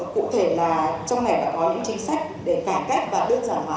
cụ thể là trong này đã có những chính sách để cải cách và đơn giản hóa